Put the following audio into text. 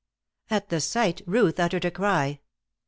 At the sight Ruth uttered a cry.